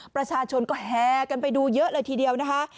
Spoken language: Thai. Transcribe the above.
ประชาชนก็แฮกันไปดูเยอะเลยทีเดียวนะคะ